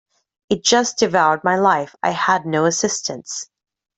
It just devoured my life I had no assistants.